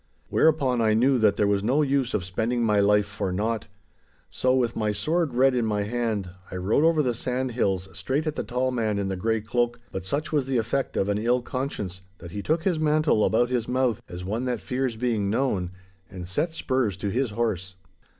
Whereupon I knew that there was no use of spending my life for naught. So, with my sword red in my hand, I rode over the sandhills straight at the tall man in the grey cloak; but such was the effect of an ill conscience that he took his mantle about his mouth as one that fears being known, and set spurs to his horse.